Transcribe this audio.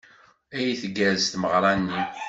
Ay tgerrez tmeɣra-nni!